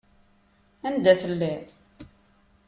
Anda telliḍ?